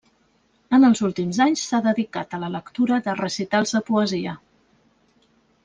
En els últims anys, s'ha dedicat a la lectura de recitals de poesia.